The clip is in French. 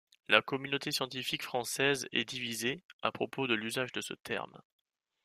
La communauté scientifique française est divisée, à propos de l'usage de ce terme.